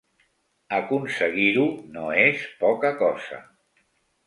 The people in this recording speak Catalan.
Aconseguir-ho no és poca cosa.